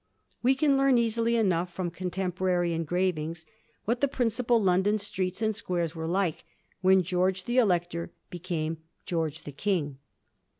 We can learn easily enough from contemporary engravings what the principal London streets and squares werd^ like when George the Elector became Greorge the King.